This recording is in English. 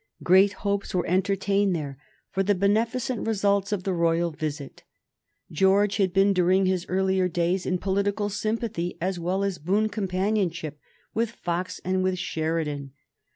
Great hopes were entertained there for the beneficent results of the royal visit. George had been during his earlier days in political sympathy as well as boon companionship with Fox and with Sheridan.